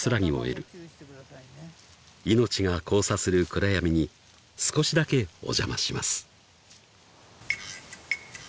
［命が交差する暗闇に少しだけお邪魔します］